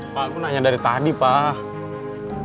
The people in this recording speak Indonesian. pak aku nanya dari tadi pak